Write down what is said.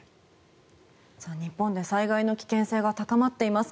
日本で災害の危険性が高まっています。